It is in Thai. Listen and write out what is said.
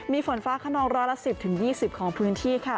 มีฝนฟ้าขนองรอยละสิบถึงยี่สิบของพื้นที่ค่ะ